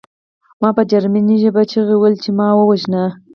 ما په جرمني ژبه چیغې وهلې چې ما ووژنه